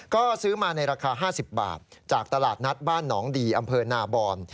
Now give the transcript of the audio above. ก็ซื้อมาในราคา๕๐บาทจากตลาดนัดบ้านหนองดีอำเภอนาบอน